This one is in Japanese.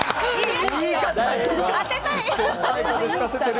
当てたい！